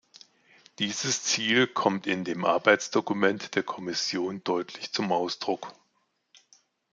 Dieses Ziel kommt in dem Arbeitsdokument der Kommission deutlich zum Ausdruck.